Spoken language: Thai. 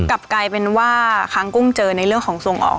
กลับกลายเป็นว่าค้างกุ้งเจอในเรื่องของส่งออก